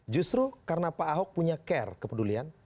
justru karena pak ahok punya care kepedulian